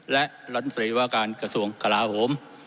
รับบินตรีว่าการกระทรวงศูนย์กระหลาผม